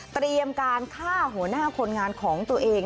เตรียมการฆ่าหัวหน้าคนงานของตัวเอง